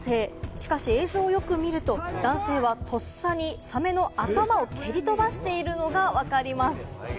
しかし映像をよく見ると、男性はとっさにサメの頭を蹴り飛ばしているのがわかります。